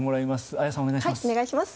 綾さん、お願いします。